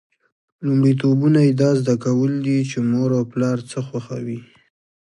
لومړیتوبونه یې دا زده کول دي چې مور او پلار څه خوښوي.